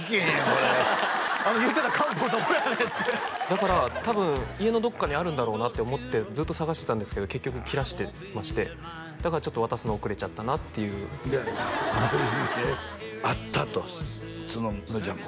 これ言ってた漢方どこやねんってだから多分家のどっかにあるんだろうなって思ってずっとさがしてたんですけど結局切らしてましてだからちょっと渡すの遅れちゃったなっていうである日ねあったと「のりちゃん